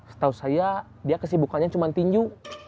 setahu saya dia kesibukannya cuma tinju